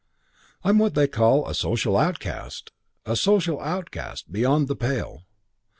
'I'm what they call a social outcast. A social outcast. Beyond the pale.